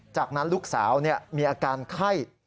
จากนั้นลูกสาวมีอาการไข้